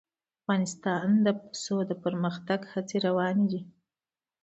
افغانستان کې د پسه د پرمختګ هڅې روانې دي.